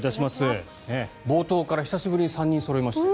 冒頭から久しぶりに３人そろいましたよ。